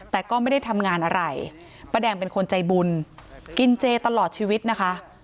แต่ก็ไม่ได้ทำงานอะไรป้าแดงเป็นคนใจบุญกินเจตลอดชีวิตนะคะ